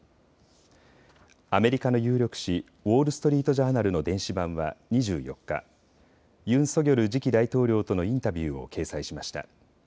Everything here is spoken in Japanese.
アメリカの有力紙、ウォール・ストリート・ジャーナルの電子版は２４日、ユン・ソギョル次期大統領とのインタビューを掲載しました。